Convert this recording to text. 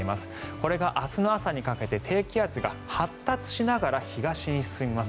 これが明日の朝にかけて低気圧が発達しながら東に進みます。